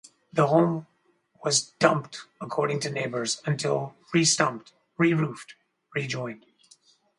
The home was "dumped" according to neighbours, until restumped, re roofed, rejoined.